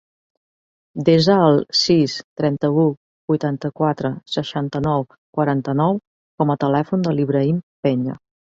Desa el sis, trenta-u, vuitanta-quatre, seixanta-nou, quaranta-nou com a telèfon de l'Ibrahim Peña.